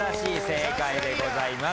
正解でございます。